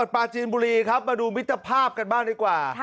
ปลาจีนบุรีครับมาดูมิตรภาพกันบ้างดีกว่า